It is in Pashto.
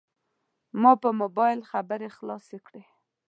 ما په موبایل خبرې خلاصې کړې.